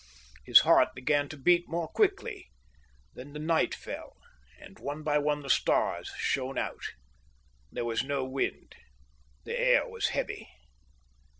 His heart began to beat more quickly. Then the night fell, and one by one the stars shone out. There was no wind. The air was heavy.